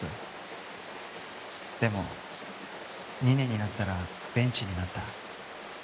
でも２年になったらベンチになった。